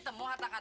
itu dia nih